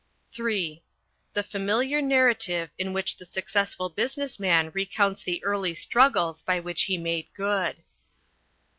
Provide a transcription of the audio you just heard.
(III) The familiar narrative in which the Successful Business Man recounts the early struggles by which he made good.